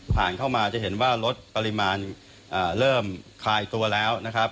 ผ่านเข้ามาจะเห็นว่ารถปริมาณเริ่มคลายตัวแล้วนะครับ